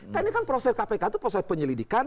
kan ini kan proses kpk itu proses penyelidikan